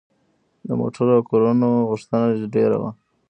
د موټرو او کورونو غوښتنه ډیره ده.